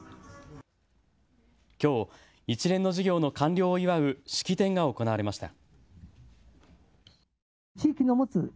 きょう一連の事業の完了を祝う式典が行われました。